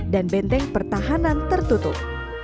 dan benteng pertahanan tertutup